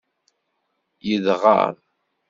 Yedɣer.